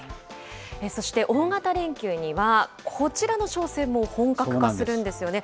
そして、大型連休には、こちらの商戦も本格化するんですよね。